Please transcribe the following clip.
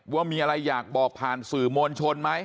ว่ามีอะไรอยากบอกผ่านสื่อมวลชนไหม